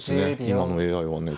今のＡＩはね。